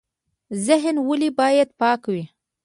ذهن ولې باید پاک وي؟